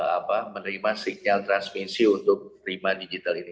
apa menerima signal transmisi untuk terima digital ini